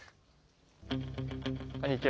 こんにちは。